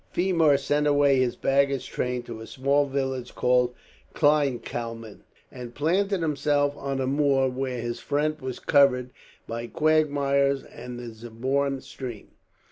Fermor sent away his baggage train to a small village called Kleinkalmin, and planted himself on a moor, where his front was covered by quagmires and the Zaborn stream.